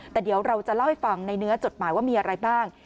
แต่เดี๋ยวเราจะเล่าให้ฟังในเนื้อจดหมายว่ามีอะไรบ้าง